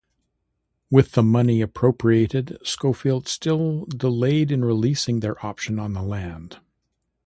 With the money appropriated, Schofield still delayed in releasing their option on the land.